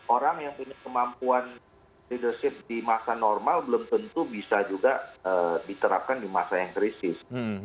orang yang punya kemampuan leadership di masa normal belum tentu bisa juga diterapkan di masa yang krisis